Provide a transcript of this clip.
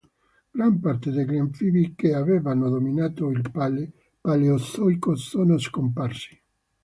Gran parte degli anfibi che avevano dominato il Paleozoico sono scomparsi.